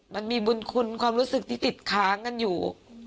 มันมีบุญคุณความรู้สึกที่ติดค้างกันอยู่